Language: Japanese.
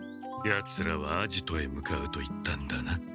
ヤツらはアジトへ向かうと言ったんだな？